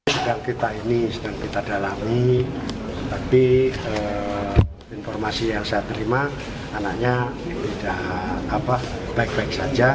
sedang kita ini sedang kita dalami tapi informasi yang saya terima anaknya tidak baik baik saja